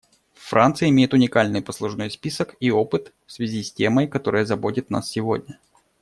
Франция имеет уникальный послужной список и опыт в связи темой, которая заботит нас сегодня.